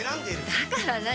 だから何？